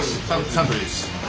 サントリーです。